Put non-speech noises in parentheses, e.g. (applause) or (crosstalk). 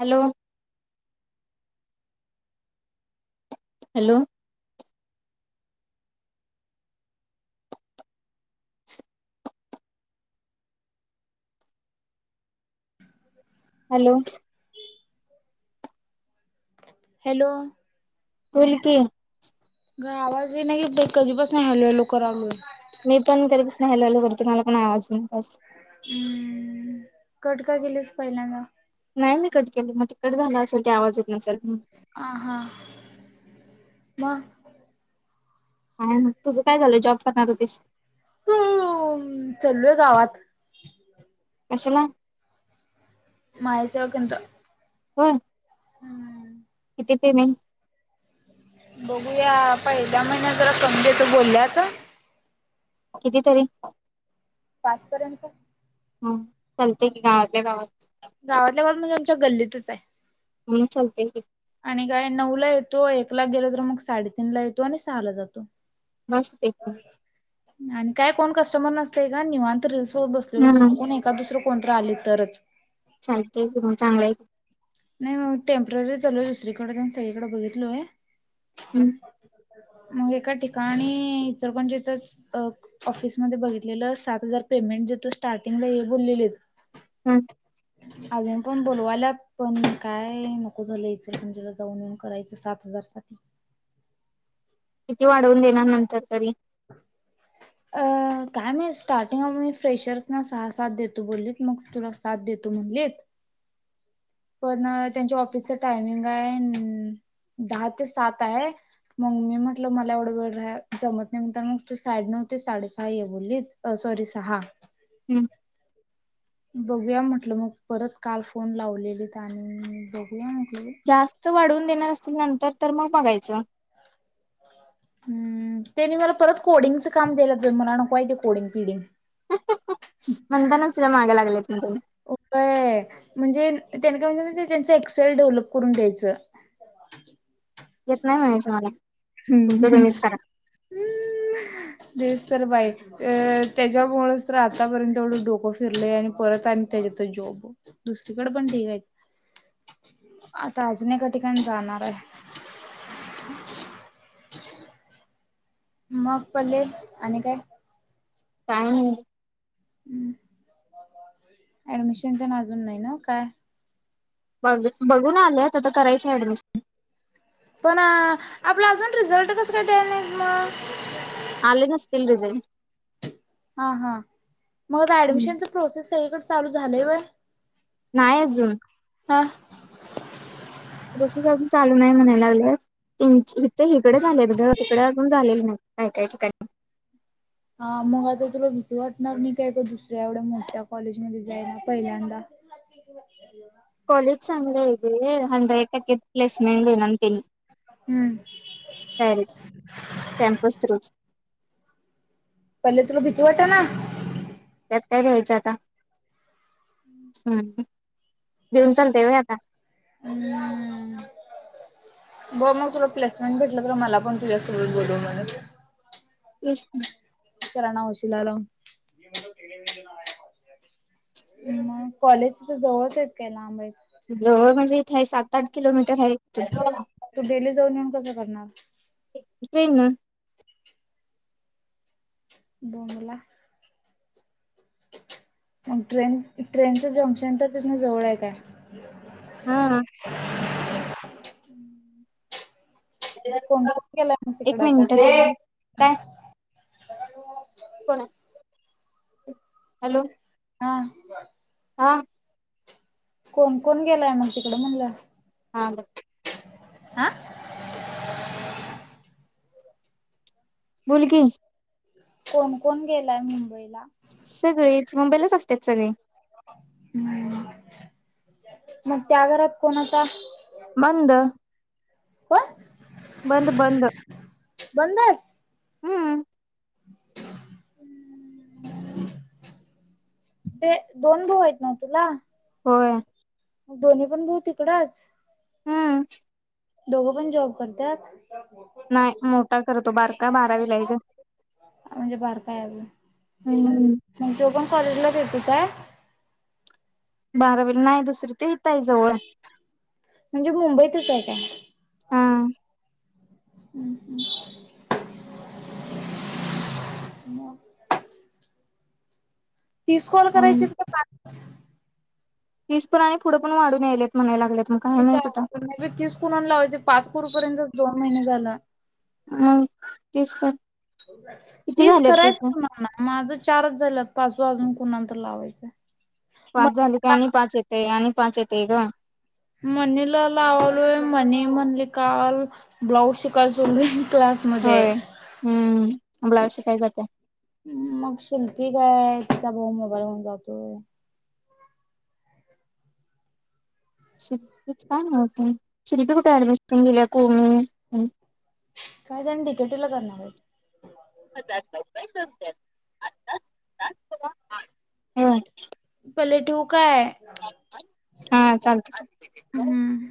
Hello. Hello. Hello. Hello. बोल की? ग आवाज येईना की बई कधीपसन हॅलो हॅलो करालोय मी पण कधीपसन हॅलो हॅलो करतोय मला पण आवाज येईनाच हम्म कट का केलीस पहिल्यांदा? नाही मी कट केलं मग ते कट झालं असेल ते आवाज नसल म्हणून आ हां. मग ह हा तुझं काय झालंय जॉब करणार होतीस ह चलोय गावात कशाला माहीसेवाकेंद्र होय हम्म किती नई बघू या पहिल्या महिन्यात जरा कमी देतो बोलल्यात कितीतरी पाचपर्यंत हा चालतंय की गावातल्या गावात गावातल्या गावात म्हणजे आमच्या गल्लीतच आय म चालतंय की आणि काय नऊ ला येतो एकला गेल तर मग साडेतीन ला येतो आणि सहा ला जातो मस्तये आणि काय कोण कस्टमर नसतय ग निवांत रील्स बघत बसलोय बघ का दुसरं कोणतंर आली तरच चालतय की मग चांगलंय की नाही मग टेम्पररी चाललोय दुसरीकडे तेन सगळीकडें बघितलोय हम् मग एका ठिकाणी इचलकरंजीतच अ ऑफिसमध्ये बघितलं सात हजार पेमेंट देतो स्टार्टिंगला ये बोललेलीत हम् अजून पण बोलवाल्यात पण काय नको झालंय इचलकरंजीला जाऊन येऊन करायचं सार हजारसाठी किती वाढवून देणार नंतर तरी अ काय माहीत स्टार्टिंग आम्ही फ्रेशर्स ना सहा सात देतो बोललीत मग तुला सात देतो म्हणलीत. पण त्यांच्या ऑफिसच टायमिंग हाय. दहा ते सात हाय. मग मी म्हटलं मला एवढं वेळ राया जमत नाही. म्हणताना मग तू साडेनऊ ते साडे सहा ये बोललीत. अ सॉरी सहा. हम. बघूया म्हटलं मग परत काल फोन लावलेलीत. आणि मी बघूया म्हटलेल. जास्त वाढवून देणार असतील नंतर तर म बघायचं. हम त्यनी मला परत कोडिंगचं काम द्यालयात बई मला नकोय ते कोडिंग पिडिंग. म्हणतानाच सर माघ लागल्यात. म्हण त्यांनी. व्हय. म्हणजे त्यानी काय म्हणत्यात माहिती हाय त्यांच एक्सेल डेव्हलप करून द्यायचं येत नाय म्हणायचं मला. हम. तुमचं तुम्हीच करा (inaudible) तेच तर बाई अ त्याच्यामुळच तर आतापर्यंत एवढं डोकं फिरलंय आणि परत आणि त्याच्यातच जॉब दुसरीकडे पण ढीग हाईत आता अजून एका ठिकाणी जाणार आय मग पल्ले आणि काय काय हम. ऍडमिशन तेन अजून नाय नव्ह का? बघ. बघून आलोयत आता करायचं ऍडमिशन. पण. आपला अजून रिझल्ट कस काय द्याय नाहीत म. आले नसतील. हा हा मग आता ऍडमिशनच प्रोसेस सगळीकड चालु झालंय व्हय. नाय अजून. हं प्रोसेस अजून चालू नाहीं म्हणाय लागल्यात. इ इथ हकड झालेत ग. इकड अजून झालेली नाहीत. काय काय ठिकाणी. हा मग आता तुला भीती वाटणार नाय काय ग दुसऱ्या एवढ्या मोठ्या कॉलेजमध्ये जायला पहिल्यांदा. (inaudible) कॉलेज चागलं आहेे घे हंड्रेड टक्के प्लेसमेंट घेणार त्यांनी. हम. Direct campus थ्रूच. पल्ले तुला भीती वाटना. त्यात काय भ्यायच आता हम. भिऊन चालतय व्हय आता. हम बघ मग तुला प्लेसमेंट भेटलं तर मला पण तुझ्यासोबत बोलव म्हणस तेच की सराना वशिला लाव. म कॉलेज तिथं जवळच आहेत. काय लांब आहेत. जवळ म्हणजे इथे आहे सात आठ किलोमीटर आहे ट्रेन तू डेली जाऊन येेऊन कसं करणार. ट्रेन न. बोंबला. आन ट्रेन ट्रेनचं जंक्शन तर तिथन जवळ हाय काय. (inaudible) हा. कोणकोण गेलायात म एक तिकड आता. मिनिट काय कोण हाय. हॅलो हा हा कोण कोण गेलाय मग तिकडं म्हणलं? हां ब हा बोल की. कोण कोण गेलाय मुंबईला? सगळेच मुंबईला असत सगळे. मग त्या घरात कोण आता? बंद कोण बंद बंद बंदच. हम ते दोन भाऊ आहेत ना तुला? होय. म दोन्ही पण भाऊ तकडंच. हम. दोघं पण जॉब करत्यात. नाही मोठा करतो बारका बारावीला एक ग. फार काय अजून हम्म. मग तो पण कॉलेजलाच येतोच आहे. बारावीला नाही दुसरी ते येतय जवळ. म्हणजे मुंबईतच आहे काय? हा. हम्म हम् तीस कॉल हम्म. करायची पाच. तीस पण पुढ पण वाढून आयले म्हणाय लागत मग. काय माहित आता मे बी तीस कुणाला लावायचे पाच कुरपर्यंत दोन महिने झाला हा तीस तीस करायच कोणा ना माझं चारच झालं पाचवा अजून कुणांतर लावायचं पाच झाले की मनीला आणि पाच येते आणि पाच येते ग मनीला लावलोय मनी म्हंटली काल ब्लाऊज शिकयच होय हम्म ब्लाऊज शिकाय जाते मग शिल्पी काय आहे तिचा भाऊ मोबाईल होऊन जातोय. शिल्प काय न्हत शिल्पी कुठे ऍडमिसन गेल्या कोम काय त्यांण डिकेटी ला करणार आहे. (inaudible) होय पाले ठेऊ काय? हा चालतय हम्म